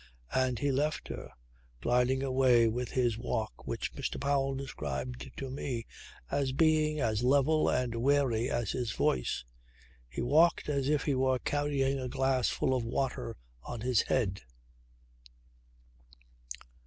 And he left her, gliding away with his walk which Mr. Powell described to me as being as level and wary as his voice. He walked as if he were carrying a glass full of water on his head.